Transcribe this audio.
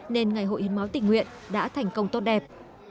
nên ngày hội hiến máu tỉnh nguyện đã thành công tốt đẹp